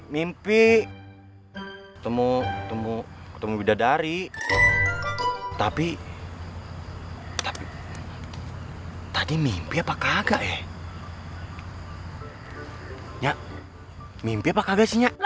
mimpi ketemu ketemu ketemu widadari tapi tapi tadi mimpi apa kagak ya ya mimpi apa kagaknya